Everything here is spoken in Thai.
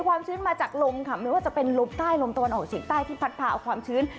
ความชื้นมาจากลมค่ะไม่ว่าจะเป็นลมใต้ลมตะวันออกเฉียงใต้ที่พัดพาเอาความชื้น